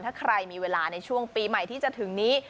ถ้าใครมีเวลาในช่วงปีใหม่ที่จะถึงนี้